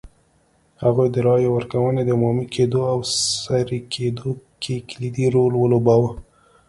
هغوی د رایې ورکونې د عمومي کېدو او سري کېدو کې کلیدي رول ولوباوه.